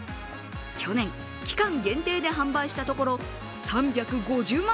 去年、期間限定で販売したところ３５０万